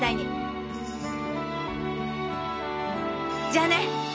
じゃあね！